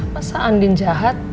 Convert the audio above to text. masa andin jahat